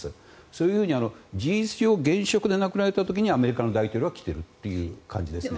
そういうふうに事実上で現職で亡くなられた時はアメリカの大統領は来ているという感じですね。